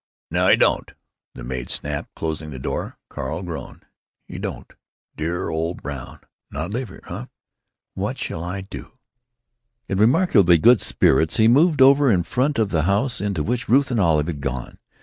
"No, 'e don't," the maid snapped, closing the door. Carl groaned: "He don't? Dear old Brown? Not live here? Huh? What shall I do?" In remarkably good spirits he moved over in front of the house into which Ruth and Olive had gone.